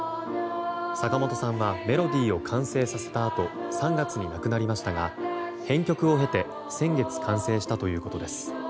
坂本さんはメロディーを完成させたあと３月に亡くなりましたが編曲を経て先月完成したということです。